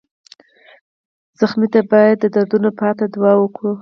ټپي ته باید د دردونو پای ته دعا وکړو.